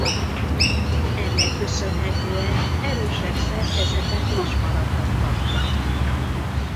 Ennek köszönhetően erősebb szerkezetet és falakat kaptak.